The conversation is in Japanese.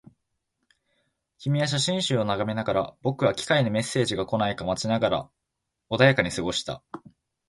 君は写真集を眺めながら、僕は機械にメッセージが来ないか待ちながら穏やかに過ごした